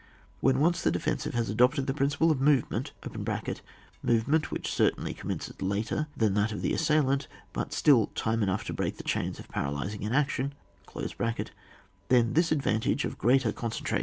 — When once the defensive has adopted the principle of movement (movement which certainly commences later than that of the assailant, but still time enough to break the chains of paralysing inaction), then this advantage of greater concentra OHAP rv.